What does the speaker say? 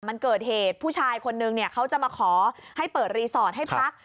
มันเกิดเหตุผู้ชายคนนึงเขาจะมาขอให้เปิดรีสอร์ทให้พัก